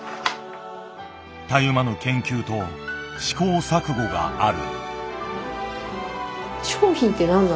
たゆまぬ研究と試行錯誤がある。